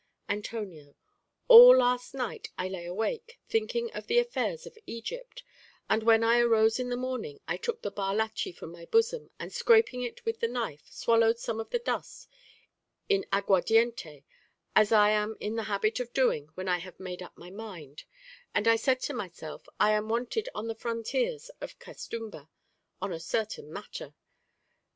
Antonio All last night I lay awake, thinking of the affairs of Egypt; and when I arose in the morning I took the bar lachí from my bosom, and scraping it with a knife, swallowed some of the dust in aguardiente, as I am in the habit of doing when I have made up my mind; and I said to myself, I am wanted on the frontiers of Castumba on a certain matter.